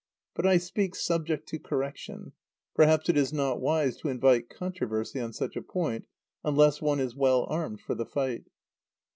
But I speak subject to correction. Perhaps it is not wise to invite controversy on such a point unless one is well armed for the fight.